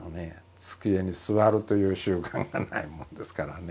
机に座るという習慣がないもんですからね。